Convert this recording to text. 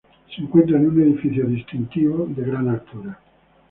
Se encuentra en un edificio distintivo de gran altura.